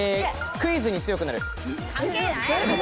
クイズに強くなる。